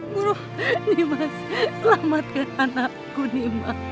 guru nimas selamatkan anakku nimas